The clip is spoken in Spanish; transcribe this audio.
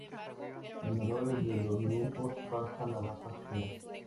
Los ganadores de los grupos pasan a la fase final.